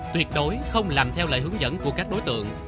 tuyệt đối không làm theo lời hướng dẫn của các đối tượng